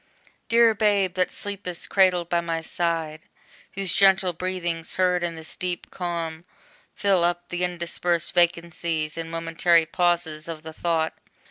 Dear Babe, that sleepest cradled by my side, Whose gentle breathings, heard in this deep calm, Fill up the interspersed vacancies And momentary pauses of the thought!